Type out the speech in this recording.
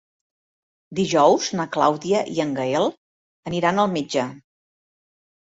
Dijous na Clàudia i en Gaël aniran al metge.